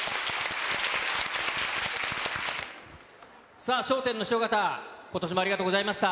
さあ、笑点の師匠方、ことしもありがとうございました。